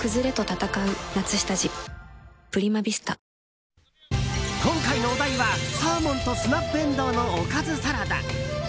今日のチラシで今回のお題はサーモンとスナップエンドウのおかずサラダ。